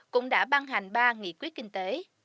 cũng đã ban hành ba nghị quyết kinh tế